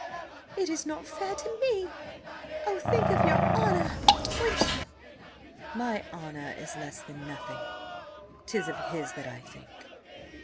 "It is not fair to me! Oh, think of your honour–Wyncham!" "My honour is less than nothing. 'Tis of his that I think."